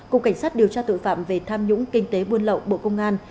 cục cảnh sát điều tra tội phạm về tham nhũng kinh tế buôn lậu bộ công an